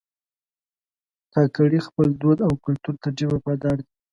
کاکړي خپل دود او کلتور ته ډېر وفادار دي.